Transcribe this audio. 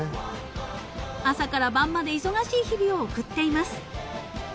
［朝から晩まで忙しい日々を送っています］